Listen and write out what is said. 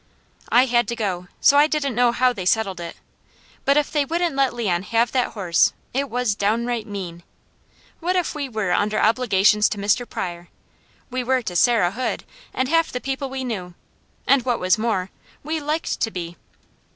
I had to go, so I didn't know how they settled it, but if they wouldn't let Leon have that horse, it was downright mean. What if we were under obligations to Mr. Pryor? We were to Sarah Hood, and half the people we knew, and what was more, we LIKED to be.